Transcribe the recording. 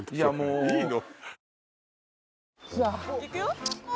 いいの？